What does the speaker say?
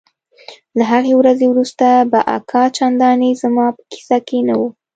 له هغې ورځې وروسته به اکا چندانې زما په کيسه کښې نه و.